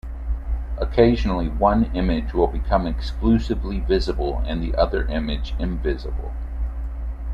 Occasionally one image will become exclusively visible and the other image invisible.